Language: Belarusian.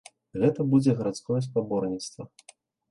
Гэта будзе гарадское спаборніцтва.